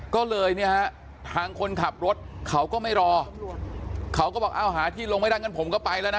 ก็เลยเนี่ยฮะทางคนขับรถเขาก็ไม่รอเขาก็บอกอ้าวหาที่ลงไม่ได้งั้นผมก็ไปแล้วนะ